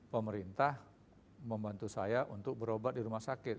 pemerintah membantu saya untuk berobat di rumah sakit